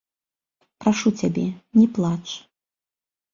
Прашу цябе, не плач!